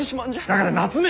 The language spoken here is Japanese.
だから夏目！